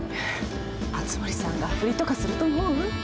熱護さんがふりとかすると思う？